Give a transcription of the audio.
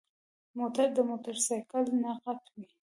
موټر د موټرسايکل نه غټ وي.